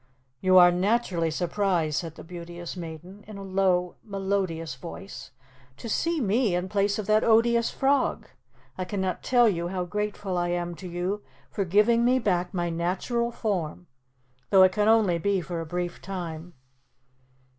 "You are naturally surprised," said the Beauteous Maiden, in a low melodious voice, "to see me in place of that odious frog. I cannot tell you how grateful I am to you for giving me back my natural form, though it can be only for a brief time."